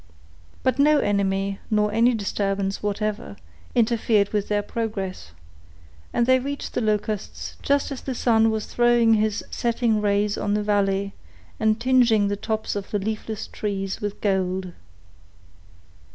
But no enemy, nor any disturbance whatever, interfered with their progress, and they reached the Locusts just as the sun was throwing his setting rays on the valley, and tingeing the tops of the leafless trees with gold.